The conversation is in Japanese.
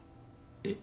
えっ？